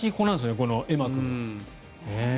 このエマ君。